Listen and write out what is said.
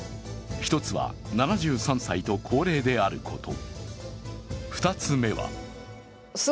１つは７３歳と高齢であること。